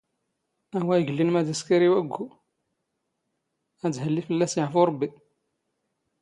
ⴰⵡⴰ ⵉⴳⵍⵍⵉⵏ ⵎⴰⴷ ⵉⵙⴽⴰⵔ ⵉ ⵡⴰⴳⴳⵓ. ⴰⴷ ⵀⵍⵍⵉ ⴼⵍⵍⴰⵙ ⵉⵄⴼⵓ ⵕⴱⴱⵉ.